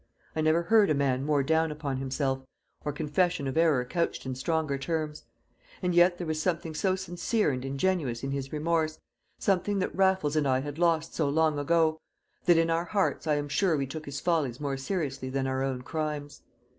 I never heard a man more down upon himself, or confession of error couched in stronger terms; and yet there was something so sincere and ingenuous in his remorse, something that Raffles and I had lost so long ago, that in our hearts I am sure we took his follies more seriously than our own crimes.